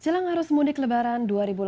jelang arus mudik lebaran dua ribu delapan belas